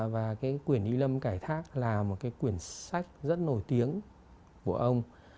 và cái quyển ly lâm cải thác là một cái quyển sách rất nổi tiếng của ông